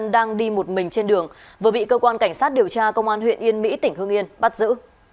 đang đi một mình trên đường vừa bị cơ quan cảnh sát điều tra công an huyện yên mỹ tỉnh hương yên bắt giữ